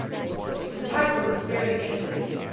_" The tiger was very angry.